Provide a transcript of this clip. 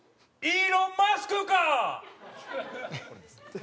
「イーロン・マスクか！！」。